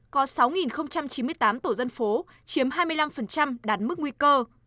có sáu chín mươi tám tổ dân phố chiếm hai mươi năm đạt mức nguy cơ